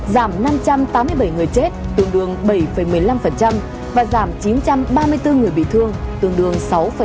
giảm năm trăm tám mươi bảy người chết tương đương bảy một mươi năm và giảm chín trăm ba mươi bốn người bị thương tương đương sáu bảy